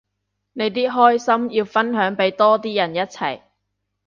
你啲開心要分享俾多啲人一齊